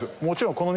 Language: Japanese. もちろん。